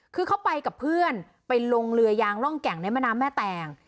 คือเขาไปกับเพื่อนไปลงเรือยางร่องแก่งในแม่น้ำแม่แตง